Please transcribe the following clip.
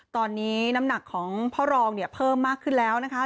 ตอนนี้น้ำหนักของพ่อรองเนี่ยเพิ่มมากขึ้นแล้วนะคะ